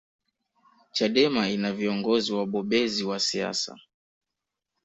chadema ina viongozi wabobezi wa siasa